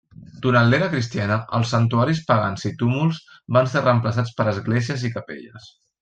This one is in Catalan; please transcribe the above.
Durant l'era cristiana, els santuaris pagans i túmuls van ser reemplaçats per esglésies i capelles.